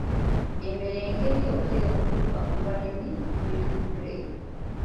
Eno y'engeri yokka ey'okutuuka ku balimi mu bitundu ebyo.